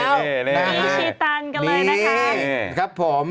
มีชีตันกันเลยนะครับนี่ครับ